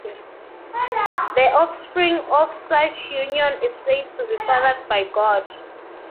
The offspring of such a union is said to be fathered by God.